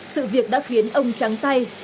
sự việc đã khiến ông trắng tay